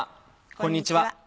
こんにちは。